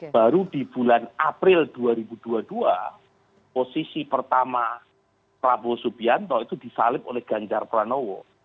baru di bulan april dua ribu dua puluh dua posisi pertama prabowo subianto itu disalib oleh ganjar pranowo